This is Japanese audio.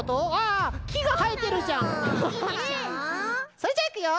それじゃいくよ！